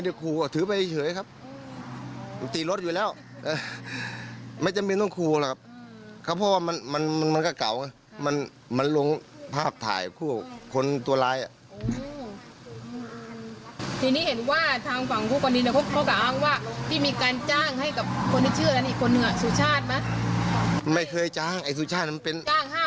สูชาดมันเป็นจ้างห้ามืนในการมาช่วยกับเงินนี่จริงมันจริงไหมพี่นักหนึ่ง